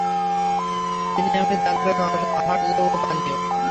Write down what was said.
তিনিই আমাকে দান করেন আহার্য ও পানীয়।